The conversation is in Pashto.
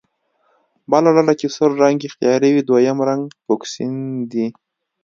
بله ډله چې سور رنګ اختیاروي دویم رنګ فوکسین دی.